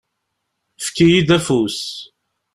Fek-iyi-d afus.